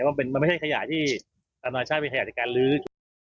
เพราะว่ามันไม่ใช่ขยะที่อาณาชาติวิทยาศิกาลื้อ